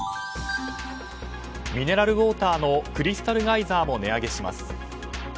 ミネラルウォーターのクリスタルガイザーも値上げします。